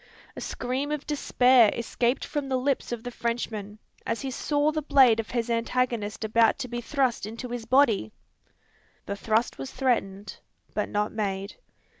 A scream of despair escaped from the lips of the Frenchman, as he saw the blade of his antagonist about to be thrust into his body! The thrust was threatened, but not made.